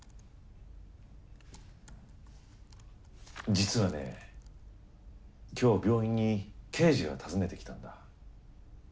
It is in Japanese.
実はね今日病院に刑事が訪ねてきたんだ。